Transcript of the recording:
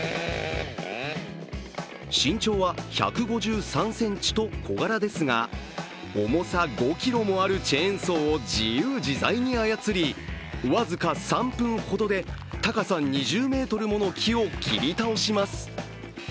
身長は１５３ｃｍと小柄ですが重さ５ｋｇもあるチェーンソーを自由自在に操り、僅か３分ほどで高さ２０ｍもの木を切り倒します。